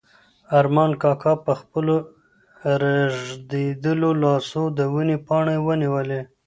ارمان کاکا په خپلو رېږدېدلو لاسو د ونې پاڼه ونیوله.